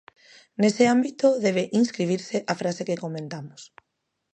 Nese ámbito debe inscribirse a frase que comentamos.